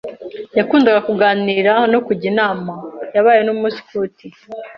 Yakundaga kuganira no kujya inama. Yabaye n’umusikuti.